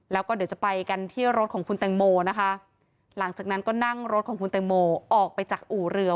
แล้วก็เดี๋ยวจะไปกันที่รถของคุณแตงโมนะคะหลังจากนั้นก็นั่งรถของคุณแตงโมออกไปจากอู่เรือ